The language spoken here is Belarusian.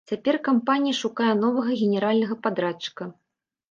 Цяпер кампанія шукае новага генеральнага падрадчыка.